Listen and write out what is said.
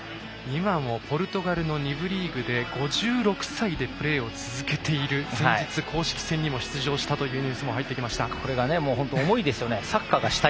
今もポルトガルの２部リーグで５６歳でプレーを続けている先日、公式戦にも出場したというニュースも入ってきました。